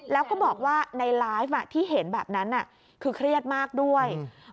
แล้วก็บอกว่าในไลฟ์ที่เห็นแบบนั้นคือเครียดมากด้วย